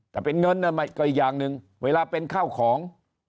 แต่เป็นเงินก็อีกอย่างหนึ่งเวลาเป็นข้าวของ